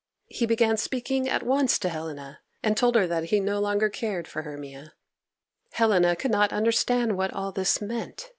He began speaking at once to Helena, and told her that he no longer cared for Hermia. Helena could not understand what all this meant.